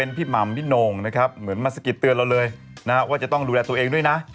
โทรศัพท์บอกเพื่อนซื้อให้เราด้วยนะ